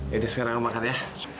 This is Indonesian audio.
ya udah sekarang aku makan ya